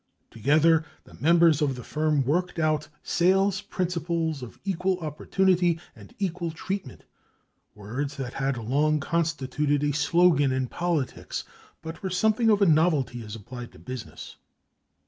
Together the members of the firm worked out sales principles of equal opportunity and equal treatment—words that had long constituted a slogan in politics but were something of a novelty as applied to business.